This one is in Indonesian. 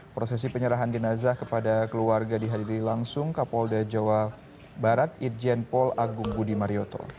prosesi penyerahan jenazah kepada keluarga dihadiri langsung kapolda jawa barat irjen pol agung budi marioto